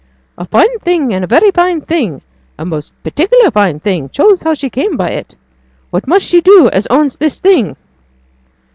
'A fine thing and a very fine thing a most particular fine thing choose how she came by it. What must she do as owns this thing?'